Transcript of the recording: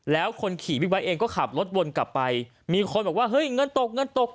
แล้วคนขี่บิ๊กไบท์เองก็ขับรถวนกลับไปมีคนบอกว่าเฮ้ยเงินตกเงินตก